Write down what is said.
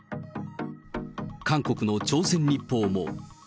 韓国の朝鮮日報も。